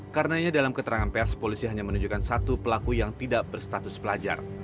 karenanya dalam keterangan pers polisi hanya menunjukkan satu pelaku yang tidak berstatus pelajar